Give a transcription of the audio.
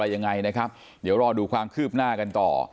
เดี๋ยวรอดูใครที่เครือบหน้ากันต่อ